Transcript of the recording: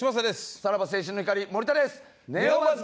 さらば青春の光森田です。